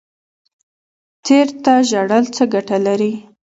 تیر ته ژړل څه ګټه لري؟